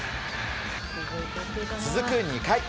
続く２回。